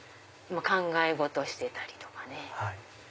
考え事してたりとかね。